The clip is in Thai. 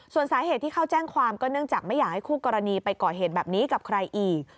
ส่วนสาเหตุที่เขาแจ้งความก็เนื่องจากไม่อยากให้คู่กรณีไปก่อเหตุแบบนี้กับใครอีก